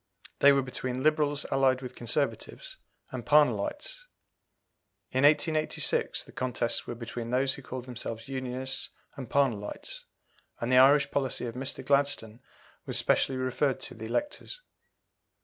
They were between Liberals allied with Conservatives, and Parnellites. In 1886 the contests were between those who called themselves Unionists and Parnellites, and the Irish policy of Mr. Gladstone was specially referred to the electors.